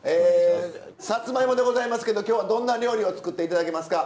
さつまいもでございますけど今日はどんな料理を作って頂けますか？